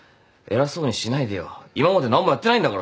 今まで何もやってないんだからさ。